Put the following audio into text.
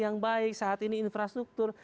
yang baik saat ini infrastruktur